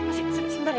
sini sini aku bantu